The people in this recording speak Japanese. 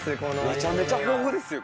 めちゃめちゃ豊富ですよ